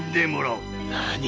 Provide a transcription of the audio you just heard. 何？！